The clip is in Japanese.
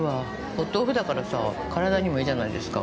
お豆腐だからさ体にもいいじゃないですか。